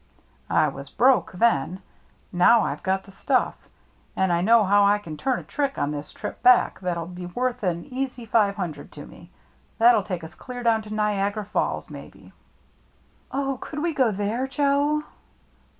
" I was broke then. Now Fve got the stuff. And I know how I can turn a trick on this 112 THE MERRT ANNE trip back that'll be worth an easy five hundred to me.. That'll take us clear down to Niagara Falls, maybe." " Oh, could we go there, Joe